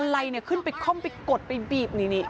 อะไรเนี่ยขึ้นไปคล่อมไปกดไปบีบนี่